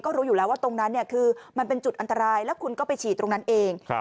รู้อยู่แล้วว่าตรงนั้นเนี่ยคือมันเป็นจุดอันตรายแล้วคุณก็ไปฉีดตรงนั้นเอง